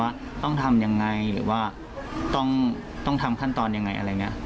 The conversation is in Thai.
ว่าต้องทำยังไงหรือว่าต้องทำขั้นตอนยังไงอะไรอย่างนี้